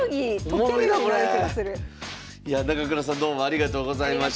中倉さんどうもありがとうございました。